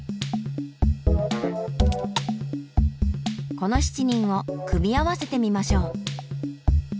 この７人を組み合わせてみましょう。